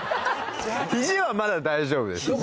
肘はまだ大丈夫です。